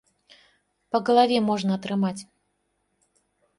Па галаве можна атрымаць.